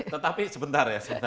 tetapi sebentar ya